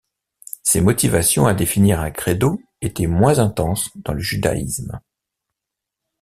Ces motivations à définir un credo étaient moins intenses dans le judaïsme.